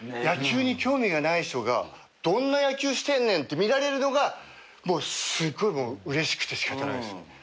野球に興味がない人がどんな野球してんねんって見られるのがすっごいうれしくて仕方ないっすね。